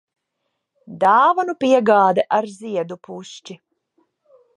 Dāvanu piegāde ar ziedu pušķi.